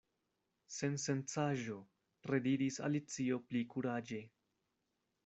"Sensencaĵo," rediris Alicio pli kuraĝe.